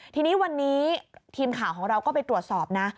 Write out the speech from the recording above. ทีนี้วันนี้ทีมข่าวของเราก็ไปตรวจสอบนะ